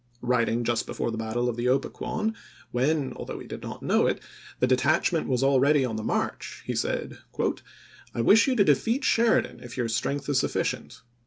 Writing just before the battle of the Opequon when— although he did not know it — the detach ment was already on the march, he said, "I wish you to defeat Sheridan if your strength is suf ficient.